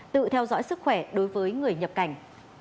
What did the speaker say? tự theo dõi sức khỏe đối với người nhập cảnh